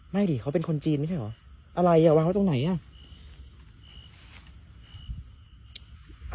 ดิเขาเป็นคนจีนไม่ใช่เหรออะไรอ่ะวางไว้ตรงไหนอ่ะ